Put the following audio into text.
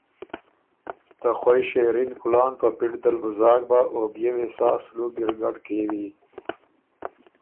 ”ته خوئ شېرِن کُلان په پِټ دل بُو زاک بَۀ او بيې وې سا سلوک ګِرګډ کېوی؟“